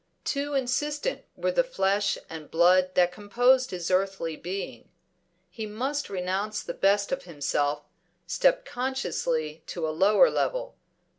Too insistent were the flesh and blood that composed his earthly being. He must renounce the best of himself, step consciously to a lower level.